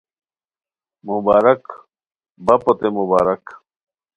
مبارک بپوتے مبارک